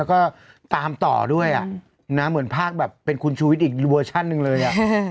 ก็ตามต่อด้วยอ่ะนะเหมือนภาคแบบเป็นคุณชุวิตอีกเวอร์ชั่นหนึ่งเลยอ่ะ